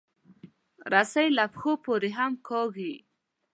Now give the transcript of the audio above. رسۍ له پښو پورې هم کارېږي.